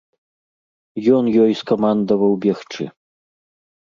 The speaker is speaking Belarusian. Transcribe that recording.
Ён ёй скамандаваў бегчы.